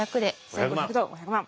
１，５００と５００万。